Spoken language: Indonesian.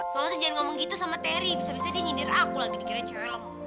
mama tuh jangan ngomong gitu sama teri bisa bisa dia nyindir aku lagi dikira cewek lemah